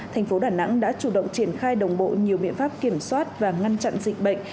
thành phố đà nẵng đã chủ động triển khai đồng bộ nhiều biện pháp kiểm soát và ngăn chặn dịch bệnh